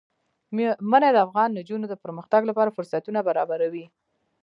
منی د افغان نجونو د پرمختګ لپاره فرصتونه برابروي.